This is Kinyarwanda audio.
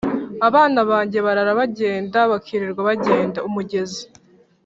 Abana banjye barara bagenda, bakirirwa bagenda.-Umugezi